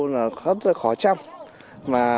rất là khó chăm mà